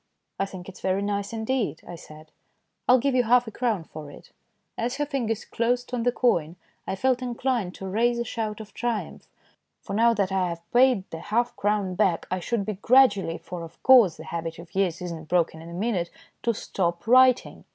"I think it's very nice indeed," I said ;" I'll give you half a crown for it." As her fingers closed on the coin I felt inclined to raise a shout of triumph. For now that I had paid the half crown back I should be able gradually for, of course, the habit of years is not broken in a minute to stop writing.